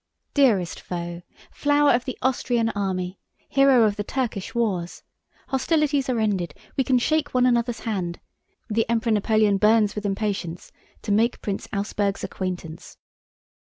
'Dearest foe! Flower of the Austrian army, hero of the Turkish wars! Hostilities are ended, we can shake one another's hand.... The Emperor Napoleon burns with impatience to make Prince Auersperg's acquaintance.